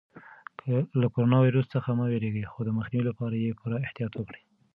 له کرونا ویروس څخه مه وېرېږئ خو د مخنیوي لپاره یې پوره احتیاط وکړئ.